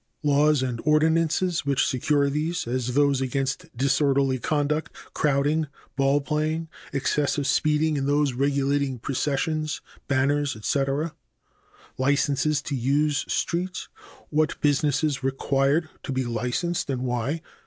a. Laws and ordinances which secure these, as those against disorderly conduct, crowding, ball playing, excessive speeding and those regulating processions, banners, etc. 11. Licenses to use streets. a. What businesses require to be licensed and why?